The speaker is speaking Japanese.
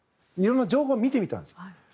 いろんな情報を見てみたんです。